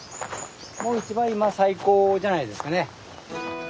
もう一番今最高じゃないですかね。